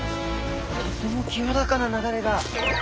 とても清らかな流れが。